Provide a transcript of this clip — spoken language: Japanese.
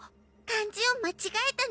漢字を間違えたの？